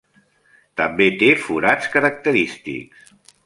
També té forats característics.